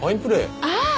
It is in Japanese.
ああ！